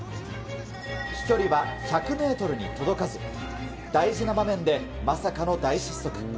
飛距離は１００メートルに届かず、大事な場面でまさかの大失速。